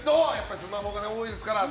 スマホが多いですからね。